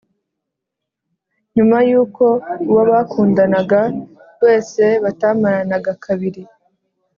nyuma y’uko uwo bakundanaga wese batamaranaga kabiri,